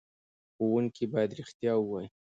ښوونکي باید رښتیا ووايي.